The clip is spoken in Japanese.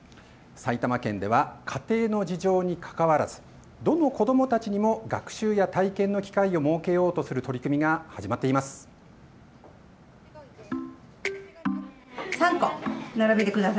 埼玉県では家庭の事情にかかわらずどの子どもたちにも学習や体験の機会を設けようとする取り組みが始まっています。